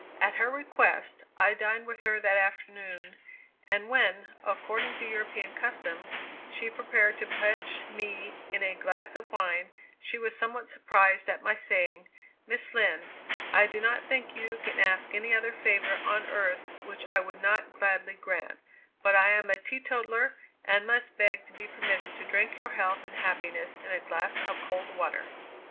At her request, I dined with her that afternoon, and when, according to European custom, she prepared to pledge me in a glass of wine, she was somewhat surprised at my saying, "Miss Lind, I do not think you can ask any other favor on earth which I would not gladly grant; but I am a teetotaler, and must beg to be permitted to drink your health and happiness in a glass of cold water."